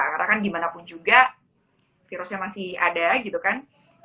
karena kan dimanapun juga virusnya masih ada gitu kan